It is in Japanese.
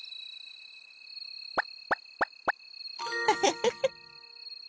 フフフフ。